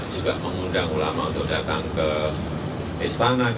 juga mengundang ulama untuk datang ke istana